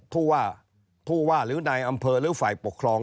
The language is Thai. ผู้ว่าหรือในอำเภอหรือฝ่ายปกครอง